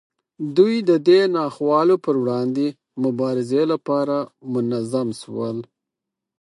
دوی د دې ناخوالو پر وړاندې مبارزې لپاره منظم شول.